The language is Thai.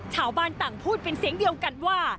ชาวบ้านต่างพูดเป็นเสียงเดียวกันว่า